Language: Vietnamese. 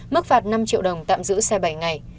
mức phạt năm triệu đồng tạm giữ xe bảy ngày